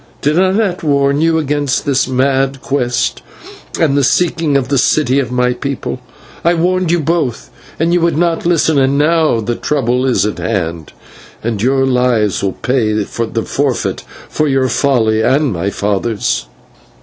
Did I not warn you against this mad quest and the seeking of the city of my people? I warned you both, and you would not listen, and now the trouble is at hand and your lives will pay the forfeit for your folly and my father's."